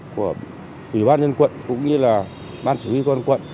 của ủy ban nhân quận cũng như là ban chủ yếu con quận